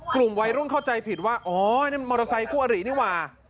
กลุ่มวัยรุ่นเข้าใจผิดว่าอ๋อนั่นมอเตอร์ไซคู่อรินี่ว่า